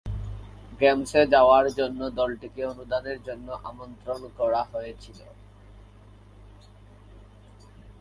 গেমসে যাওয়ার জন্য দলটিকে অনুদানের জন্য আমন্ত্রণ করা হয়েছিল।